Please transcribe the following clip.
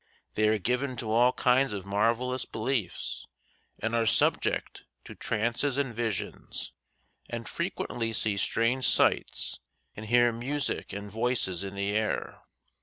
They are given to all kinds of marvellous beliefs, are subject to trances and visions, and frequently see strange sights and hear music and voices in the air.